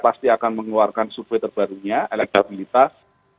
pasti akan mengeluarkan survei terbarunya elektabilitas